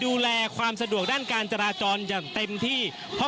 ผู้สื่อข่าวชนะทีวีจากฟิวเจอร์พาร์ครังสิตเลยนะคะ